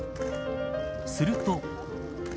すると。